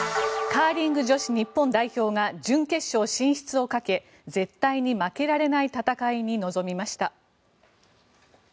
カーリング女子日本代表が準決勝進出をかけ絶対に負けられない戦いに臨みました。